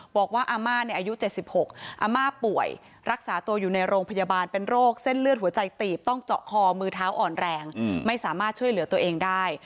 อาม่าอายุ๗๖อาม่าป่วยรักษาตัวอยู่ในโรงพยาบาลเป็นโรคเส้นเลือดหัวใจตีบต้องเจาะคอมือเท้าอ่อนแรงไม่สามารถช่วยเหลือตัวเองได้